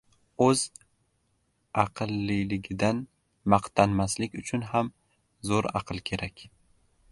O‘z aqlliligidan maqtanmaslik uchun ham zo‘r aql kerak.